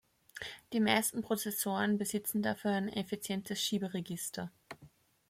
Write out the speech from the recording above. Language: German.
Die meisten Prozessoren besitzen dafür ein effizientes Schieberegister.